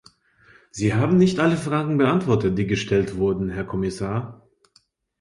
Sie haben nicht alle Fragen beantwortet, die gestellt wurden, Herr Kommissar.